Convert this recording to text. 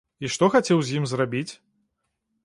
І што хацеў з ім зрабіць?